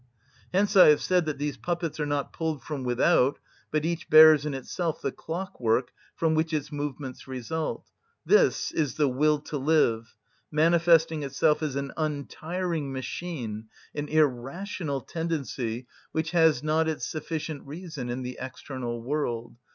Hence I have said that these puppets are not pulled from without, but each bears in itself the clockwork from which its movements result. This is the will to live, manifesting itself as an untiring machine, an irrational tendency, which has not its sufficient reason in the external world.